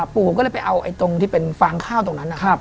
ปู่ผมก็เลยไปเอาตรงที่เป็นฟางข้าวตรงนั้น